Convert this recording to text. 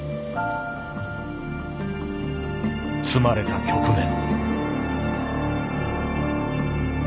詰まれた局面。